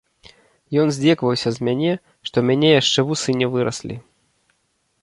Ён здзекаваўся з мяне, што ў мяне яшчэ вусы не выраслі.